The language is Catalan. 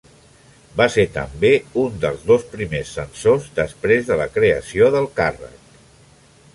Va ser també un dels dos primers censors després de la creació del càrrec.